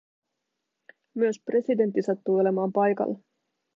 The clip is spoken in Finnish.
Myös presidentti sattui olemaan paikalla.